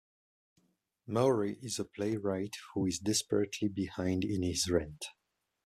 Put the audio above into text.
Maury is a playwright who is desperately behind in his rent.